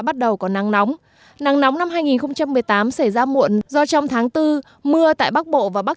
bắt đầu có nắng nóng nắng nóng năm hai nghìn một mươi tám xảy ra muộn do trong tháng bốn mưa tại bắc bộ và bắc